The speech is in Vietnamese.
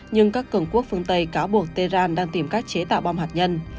nhưng các cường quốc phương tây cáo buộc tehran đang tìm cách chế tạo bom hạt nhân